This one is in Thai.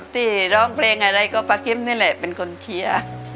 ที่ร้องเพลงอะไรก็ป้ากิมนี่แหละเป็นคนเชียร์